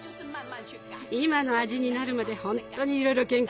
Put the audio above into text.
今の味になるまでほんとにいろいろ研究したわ。